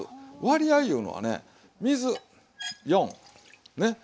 割合いうのはね水４ねっ。